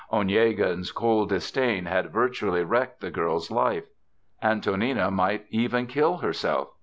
Onegin's cold disdain had virtually wrecked the girl's life. Antonina might even kill herself.